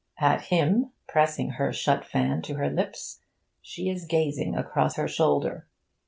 At him, pressing her shut fan to her lips, she is gazing across her shoulder.